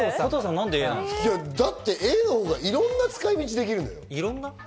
なんで？だってＡのほうがいろんな使い道できるのよ。